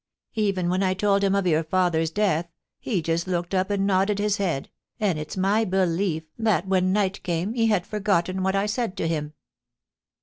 Even when I told him of your father's death he just looked up and nodded his head, and it's my belief that when night came he had forgotten what I said to him.'